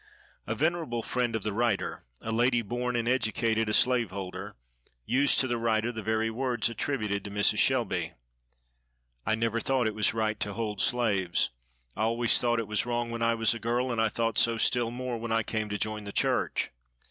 A venerable friend of the writer, a lady born and educated a slave holder, used to the writer the very words attributed to Mrs. Shelby:—"I never thought it was right to hold slaves. I always thought it was wrong when I was a girl, and I thought so still more when I came to join the church."